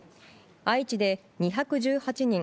愛知で２１８人